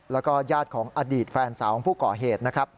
แล้วก็ญาติของอดีตแฟนสาวของผู้ก่อเหตุนะครับ